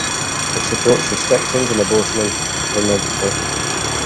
It supports restrictions on abortion and pornography.